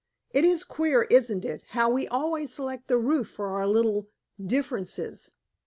"It is queer, isn't it how we always select the roof for our little differences?"